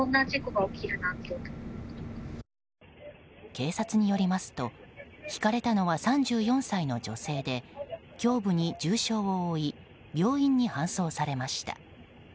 警察によりますとひかれたのは３４歳の女性で胸部に重傷を負い病院に搬送されました。